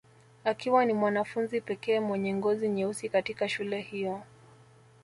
Akiwa ni mwanafunzi pekee mwenye ngozi nyeusi katika shule hiyo